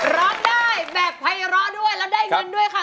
ร้องได้แบบภัยร้อด้วยแล้วได้เงินด้วยค่ะ